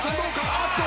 あっと！